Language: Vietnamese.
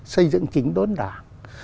xây dựng chính đốn đảng